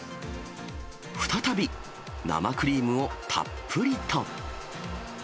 再び生クリームをたっぷりと。